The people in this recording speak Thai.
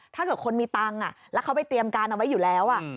ถ้าเกิดคนมีตังค์แล้วเขาไปเตรียมการเอาไว้อยู่แล้ว